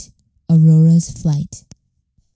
AURORA'S FLIGHT. Mrs.